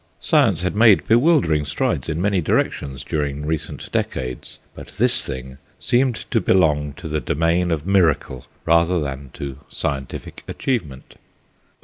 Science had made bewildering strides in many directions during recent decades, but this thing seemed to belong to the domain of miracle rather than to scientific achievement.